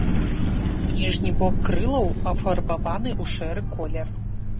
Ніжні бок крылаў афарбаваны ў шэры колер.